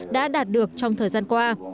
đã đạt được trong thời gian qua